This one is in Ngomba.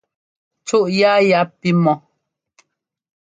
Cúʼ yáa ya pí mɔ́.